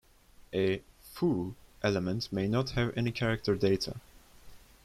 A "foo" element may not have any character data.